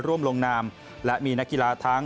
ร่วมลงนามและมีนักกีฬาทั้ง